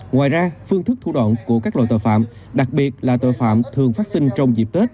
ngoài ra phương thức thủ đoạn của các loại tội phạm đặc biệt là tội phạm thường phát sinh trong dịp tết